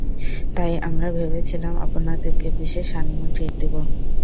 তাই আমরা ভেবেছিলাম আপনাদের কে, বিশেষ হানিমুন ট্রিট দেবো।